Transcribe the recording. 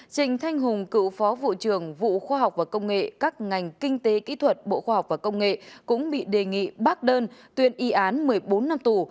trình thanh hùng cựu phó vụ trưởng vụ khoa học và công nghệ các ngành kinh tế kỹ thuật bộ khoa học và công nghệ cũng bị đề nghị bác đơn tuyên y án một mươi bốn năm tù